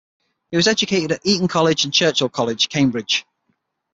He was educated at Eton College and Churchill College, Cambridge.